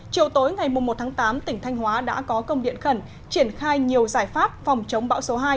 chiều tối ngày một tháng tám tỉnh thanh hóa đã có công điện khẩn triển khai nhiều giải pháp phòng chống bão số hai